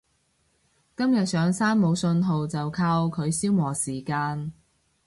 今日上山冇訊號就靠佢消磨時間